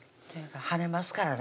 跳ねますからね